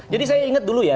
jadi saya ingat dulu ya